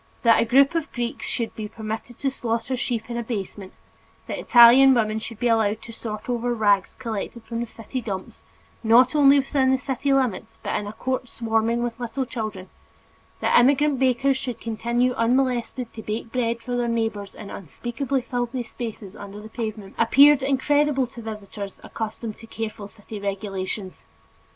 That a group of Greeks should be permitted to slaughter sheep in a basement, that Italian women should be allowed to sort over rags collected from the city dumps, not only within the city limits but in a court swarming with little children, that immigrant bakers should continue unmolested to bake bread for their neighbors in unspeakably filthy spaces under the pavement, appeared incredible to visitors accustomed to careful city regulations.